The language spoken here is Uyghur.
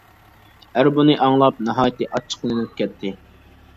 ئەر بۇنى ئاڭلاپ ناھايىتى ئاچچىقلىنىپ كەتتى.